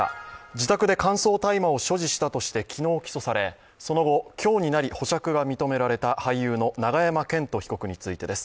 自宅で乾燥大麻を所持したとして昨日起訴され、その後、今日になり保釈が認められた俳優の永山絢斗被告についてです。